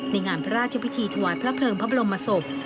ในงานพระราชพิธีถวายพระเพลิงพระบรมศพ